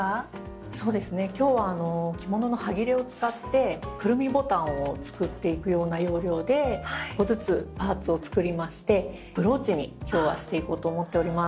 そうですね今日は着物の端切れを使ってくるみボタンを作っていくような要領で１個ずつパーツを作りましてブローチに今日はしていこうと思っております。